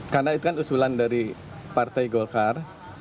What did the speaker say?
ketua umum partai golkar